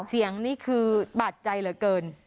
เสียงนี้คือบาดใจเหลือเกิน